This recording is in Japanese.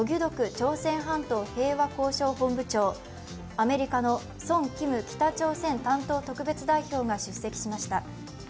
朝鮮半島平和交渉本部長、アメリカのソン・キム北朝鮮担当特別代表が出席しました。